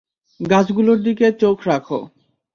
গাছগুলোর দিকে চোখ রাখো।